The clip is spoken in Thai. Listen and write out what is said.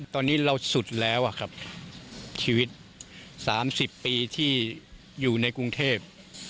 ตอนนี้เราสุดแล้วครับชีวิต๓๐ปีที่อยู่ในกรุงเทพ